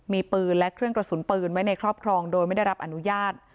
มีปืนและเครื่องกระสุนปืนไว้ในครอบครองโดยไม่ได้รับอนุญาต